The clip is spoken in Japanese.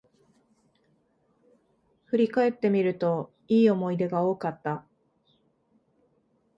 振り返ってみると、良い思い出が多かった